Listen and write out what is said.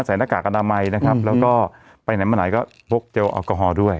ใส่นาคากาดน้ำอำไหมนะครับแล้วก็ไปไหนมาไหนก็พกเจลอัลกอฮอล์ด้วย